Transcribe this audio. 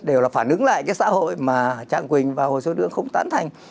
đều là phản ứng lại cái xã hội mà trang quỳnh và hồ sơn hương không tán thành